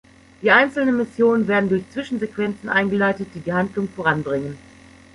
Die einzelnen Missionen werden durch Zwischensequenzen eingeleitet, die die Handlung voranbringen.